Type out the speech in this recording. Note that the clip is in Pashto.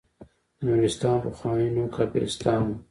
د نورستان پخوانی نوم کافرستان و.